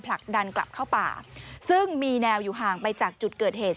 ผลักดันกลับเข้าป่าซึ่งมีแนวอยู่ห่างไปจากจุดเกิดเหตุ